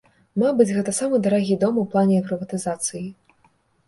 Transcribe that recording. Мабыць, гэта самы дарагі дом у плане прыватызацыі.